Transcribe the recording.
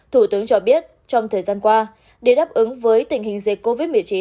thủ tướng cho biết trong thời gian qua để đáp ứng với tình hình dịch covid một mươi chín